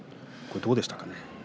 どうでしたか。